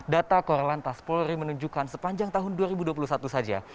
data korlantas polri menunjukkan sepanjang tahun dua ribu dua puluh satu saja